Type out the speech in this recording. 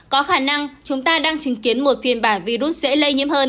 có khả năng chúng ta đang chứng kiến một phiên bản virus dễ lây nhiễm hơn